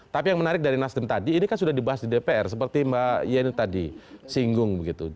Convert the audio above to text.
tapi yang menarik dari nasdem tadi ini kan sudah dibahas di dpr seperti mbak yeni tadi singgung begitu